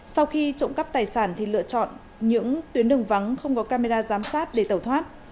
sau khi trộm cắp tài sản thì lựa chọn những tuyến đường vắng không có camera giám sát để tẩu thoát